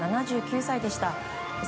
７９歳でした。